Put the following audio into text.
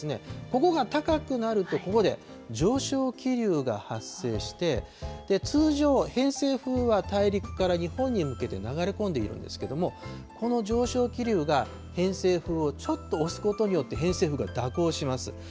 ここが高くなると、ここで上昇気流が発生して、通常、偏西風は大陸から日本に向けて流れ込んでいるんですけれども、この上昇気流が偏西風をちょっと押すことによって偏西風が蛇行します。